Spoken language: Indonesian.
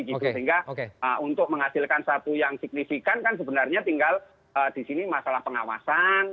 sehingga untuk menghasilkan satu yang signifikan kan sebenarnya tinggal di sini masalah pengawasan